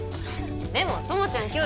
でも友ちゃん今日。